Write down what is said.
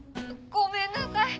ごめんなさい！